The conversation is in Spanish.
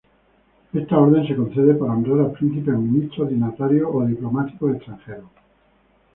Esta orden se concede para honrar a príncipes, ministros, dignatarios o diplomáticos extranjeros.